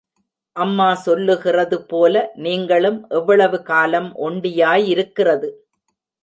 அம்மா சொல்லுகிறது போல, நீங்களும் எவ்வளவு காலம் ஒண்டியாயிருக்கிறது?